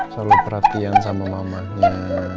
selalu perhatian sama mamanya